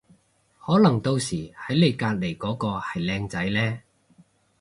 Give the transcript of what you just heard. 可能到時喺你隔離嗰個係靚仔呢